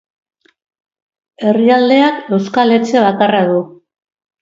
Herrialdeak euskal etxe bakarra du.